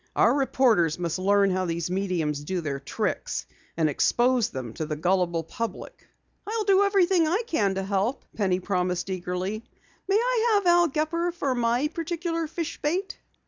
Our reporters must learn how these mediums do their tricks, and expose them to the gullible public." "I'll do everything I can to help," Penny promised eagerly. "May I have Al Gepper for my particular fish bait?"